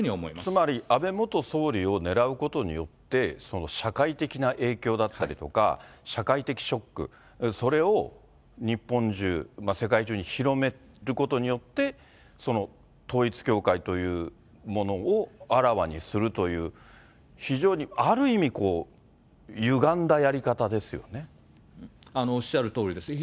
つまり、安倍元総理を狙うことによって、社会的な影響だったりとか、社会的ショック、それを日本中、世界中に広めることによって、統一教会というものをあらわにするという、非常にある意味、おっしゃるとおりですね。